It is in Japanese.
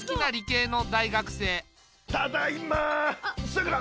・さくら